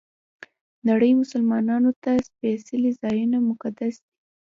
نړۍ مسلمانانو ته سپېڅلي ځایونه مقدس دي.